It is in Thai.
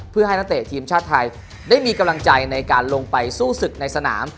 เพื่อให้นักเตะทีมชาติไทยได้มีกำลังใจในการลงไปสู้ศึกในสนาม